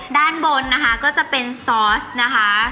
ด้านบนนะคะก็จะเป็นซอสนะคะ